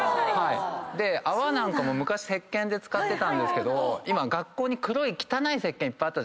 で泡なんかも昔せっけんで使ってたんですけど学校に黒い汚いせっけんいっぱいあったじゃないですか。